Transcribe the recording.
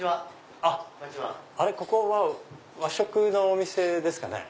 ここは和食のお店ですかね？